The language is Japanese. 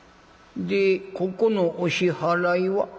「でここのお支払いは？」。